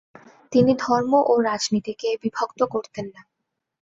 তিনি ধর্ম ও রাজনীতিকে বিভক্ত করতেন না।